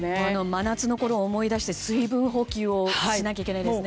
真夏のころを思い出して水分補給をしなきゃいけないですね。